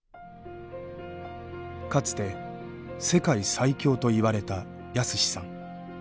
かつて「世界最強」といわれた泰史さん。